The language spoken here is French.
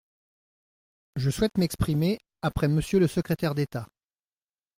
Je souhaite m’exprimer après Monsieur le secrétaire d’État.